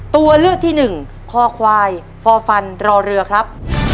ตัวเลือกที่หนึ่งคอควายฟอร์ฟันรอเรือครับ